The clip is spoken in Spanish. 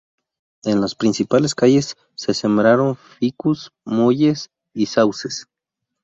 En las principales calles se sembraron ficus, molles y sauces.